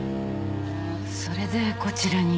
それでこちらに。